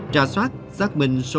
trả soát xác minh số